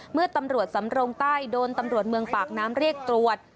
เมื่อตำรวจสำรงใต้โดนตำรวจเมืองปากน้ำเรียกตรวจ